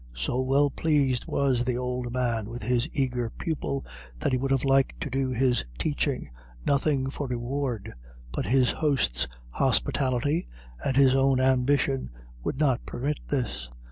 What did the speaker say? So well pleased was the old man with his eager pupil that he would have liked to do his teaching, "nothing for reward," but his host's hospitality, and his own ambition, would not permit this.